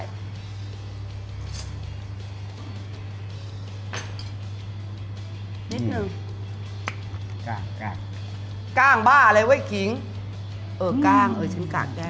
นิดนึงกล้างบ้าอะไรเว้ยขิงเออกล้างเออฉันกล้างได้